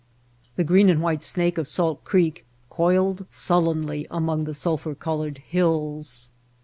The green and white snake of Salt Creek coiled sullenly among the sulphur colored hills.